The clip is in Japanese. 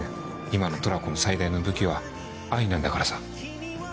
今のトラコの最大の武器は愛なんだからさ。